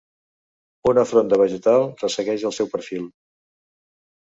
Una fronda vegetal ressegueix el seu perfil.